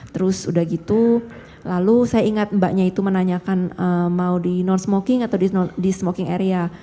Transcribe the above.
terus udah gitu lalu saya ingat mbaknya itu menanyakan mau di non smoking atau di smoking area